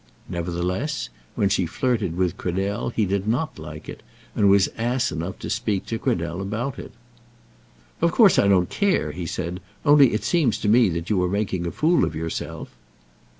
Nevertheless, when she flirted with Cradell, he did not like it, and was ass enough to speak to Cradell about it. "Of course I don't care," he said, "only it seems to me that you are making a fool of yourself."